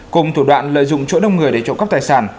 cùng thủ đoạn lợi dụng chỗ đông người để trộm cắp tài sản